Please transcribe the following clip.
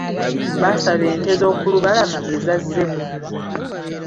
Baasaba ente z'oku lubalama eza zebu.